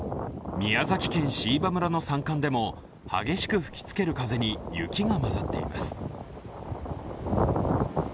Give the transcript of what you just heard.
宮崎県椎葉村の山間部でも激しく舞う風に雪が交ざっています。